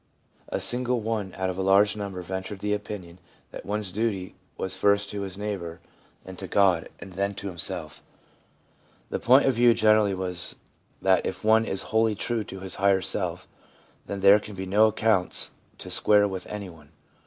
A single one out of a large number ventured the opinion that one's duty was first to his neighbour and to God, and then to himself. The point of view generally was that if one is wholly true to his higher self, then there can be no accounts to square with any one.